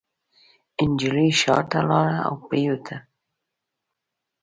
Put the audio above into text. نجلۍ شاته لاړه او پرېوته.